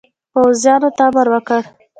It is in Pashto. پوځیانو ته امر وکړ.